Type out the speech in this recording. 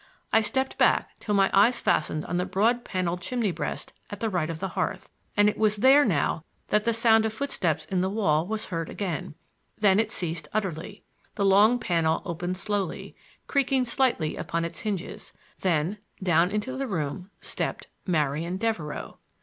I stepped back till my eyes fastened on the broad paneled chimney breast at the right of the hearth, and it was there now that the sound of footsteps in the wall was heard again; then it ceased utterly, the long panel opened slowly, creaking slightly upon its hinges, then down into the room stepped Marian Devereux.